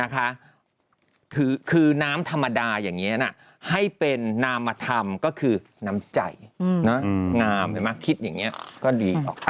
คือน้ำธรรมดาอย่างนี้ให้เป็นนามธรรมก็คือน้ำใจงามเห็นไหมคิดอย่างนี้ก็ดีออกไป